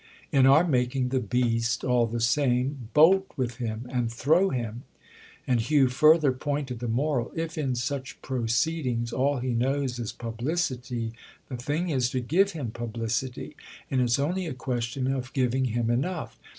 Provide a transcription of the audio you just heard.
"In our making the beast, all the same, bolt with him and throw him." And Hugh further pointed the moral. "If in such proceedings all he knows is publicity the thing is to give him publicity, and it's only a question of giving him enough.